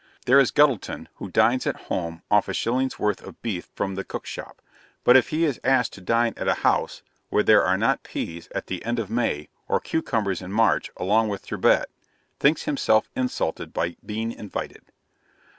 There is Guttleton, who dines at home off a shilling's worth of beef from the cookshop, but if he is asked to dine at a house where there are not pease at the end of May, or cucumbers in March along with the turbot, thinks himself insulted by being invited.